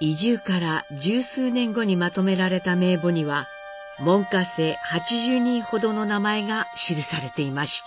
移住から十数年後にまとめられた名簿には門下生８０人ほどの名前が記されていました。